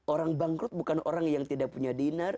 orang bangkrut bukan orang yang tidak punya dinar